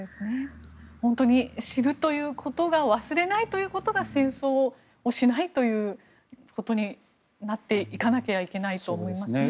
本当に知るということが忘れないということが戦争をしないということになっていかなきゃいけないと思いますね。